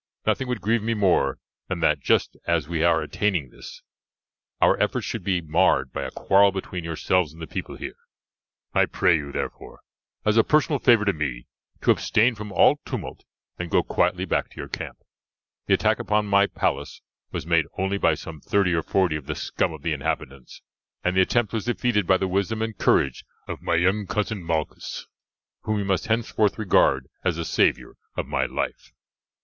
Nothing would grieve me more than that, just as we are attaining this, our efforts should be marred by a quarrel between yourselves and the people here. I pray you, therefore, as a personal favour to me, to abstain from all tumult, and go quietly back to your camp. The attack upon my palace was made only by some thirty or forty of the scum of the inhabitants, and the attempt was defeated by the wisdom and courage of my young cousin Malchus, whom you must henceforth regard as the saviour of my life."